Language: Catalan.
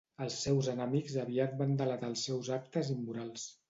Els seus enemics aviat van delatar els seus actes immorals.